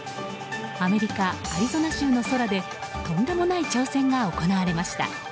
アメリカ・アリゾナ州の空でとんでもない挑戦が行われました。